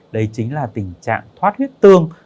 đấy chính là tình trạng thoát huyết tương